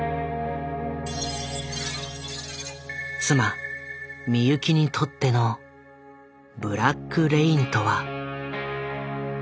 妻・美由紀にとっての「ブラック・レイン」とは。